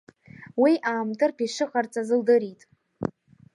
Уи аамтыртә ишыҟарҵаз лдырит.